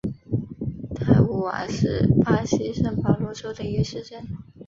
泰乌瓦是巴西圣保罗州的一个市镇。